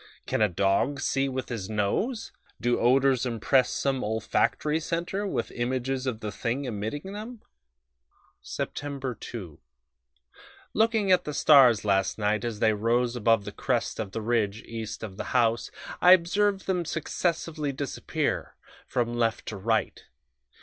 "Can a dog see with his nose? Do odors impress some olfactory centre with images of the thing emitting them? ... "Sept 2. Looking at the stars last night as they rose above the crest of the ridge east of the house, I observed them successively disappear from left to right.